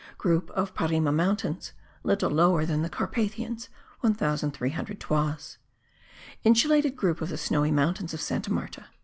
Group of Parime Mountains; little lower than the Carpathians; 1300 toises. Insulated group of the Snowy Mountains of Santa Marta.